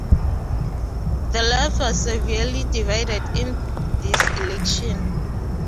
The Left was severely divided in this election.